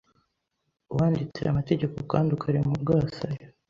wanditse aya mategeko kandi ukarema urwasaya